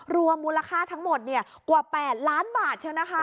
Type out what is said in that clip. รวมมูลค่าทั้งหมดกว่า๘ล้านบาทใช่ไหมคะ